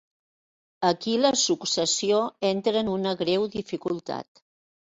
Aquí la successió entra en una greu dificultat.